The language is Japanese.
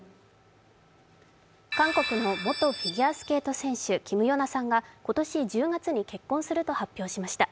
韓国の元フィギュアスケート選手、キム・ヨナさんが今年１０月に結婚すると発表しました。